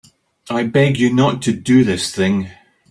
I beg of you not to do this thing.